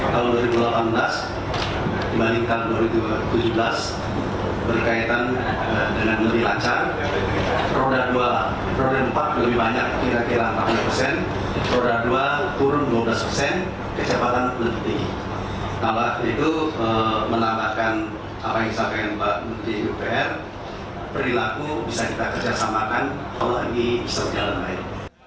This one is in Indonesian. kita kerjasamakan kalau lagi bisa berjalan baik